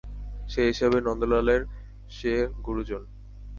সেই হিসাবে নন্দলালের সে গুরুজন।